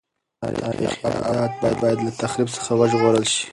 تاریخي ابدات باید له تخریب څخه وژغورل شي.